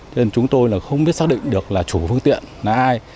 cho nên chúng tôi là không biết xác định được là chủ phương tiện là ai